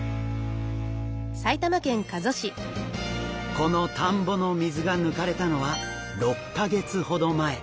この田んぼの水が抜かれたのは６か月ほど前。